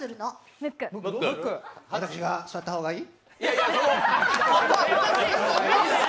私が座った方がいい？